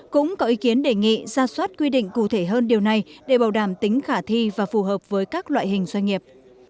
cũng có ý kiến đề nghị ra soát quy định cụ thể hơn điều này để bảo đảm tính khả thi và phù hợp với các loại hình doanh nghiệp